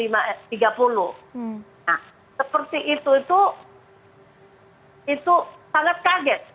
nah seperti itu itu sangat kaget